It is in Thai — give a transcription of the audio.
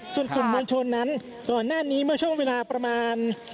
ส่วนกลุ่มมวลชนนั้นก่อนหน้านี้เมื่อช่วงเวลาประมาณ